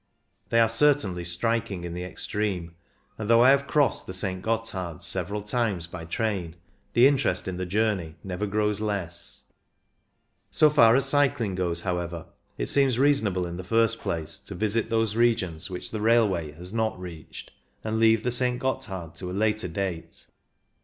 They are certainly striking in the extreme, and though I have crossed the St. Gotthard several times by train, the interest in the journey never grows less. So far as cycling goes, however, it seems reasonable in the first place to visit those regions which the railway has not reached, OTHER PASSES i8i and leave the St. Gotthard to a later date.